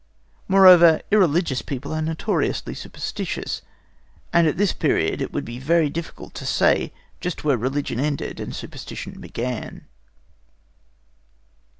Moreover, irreligious people are notoriously superstitious, and at this period it would be very difficult to say just where religion ended and superstition began.